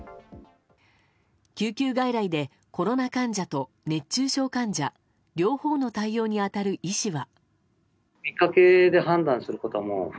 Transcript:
救急外来でコロナ患者と熱中症患者両方の対応に当たる医師は。